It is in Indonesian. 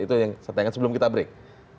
itu yang saya tanyakan sebelum kita break